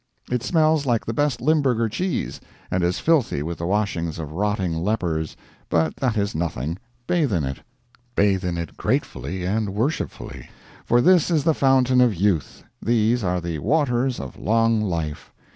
It smells like the best limburger cheese, and is filthy with the washings of rotting lepers, but that is nothing, bathe in it; bathe in it gratefully and worshipfully, for this is the Fountain of Youth; these are the Waters of Long Life.